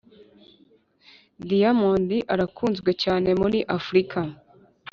Diyamonde arakunzwe cyane muri afurika